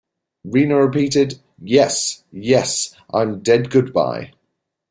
Reno repeated, Yes, yes, I'm dead-good-by!